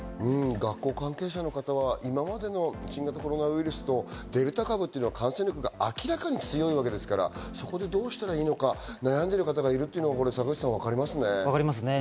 学校関係者の方は今までの新型コロナウイルスとデルタ株っていうのは感染力が明らかに強いわけですから、そこでどうしたらいいのか悩んでいる方がいるというのはわかりますね、坂口さん。わかりますね。